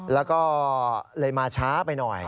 แล้วก็เลยมาช้าไปหน่อย